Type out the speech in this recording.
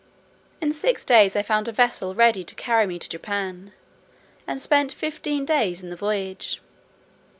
In six days I found a vessel ready to carry me to Japan, and spent fifteen days in the voyage.